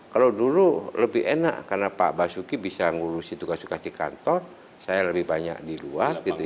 kalau dulu lebih enak karena pak basuki bisa ngurusi tugas tugas di kantor saya lebih banyak di luar gitu ya